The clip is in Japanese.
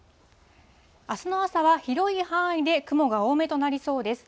あすの朝は広い範囲で雲が多めとなりそうです。